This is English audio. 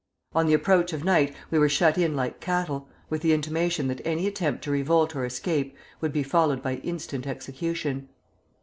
On the approach of night we were shut in like cattle, with the intimation that any attempt to revolt or escape would be followed by instant execution.